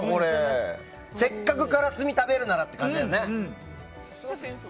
せっかく、からすみ食べるならって感じだよね。